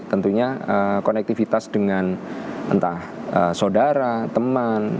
tentunya konektivitas dengan entah saudara teman